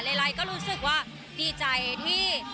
ไลน์ก็รู้สึกว่าดีใจที่